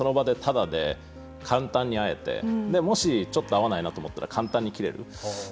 なのでその場でただで簡単に会えてもしちょっと合わないと思ったら簡単に切れる。